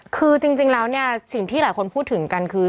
คือจริงแล้วเนี่ยสิ่งที่หลายคนพูดถึงกันคือ